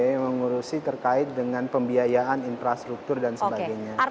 yang mengurusi terkait dengan pembiayaan infrastruktur dan sebagainya